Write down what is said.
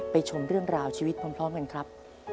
ชมเรื่องราวชีวิตพร้อมกันครับ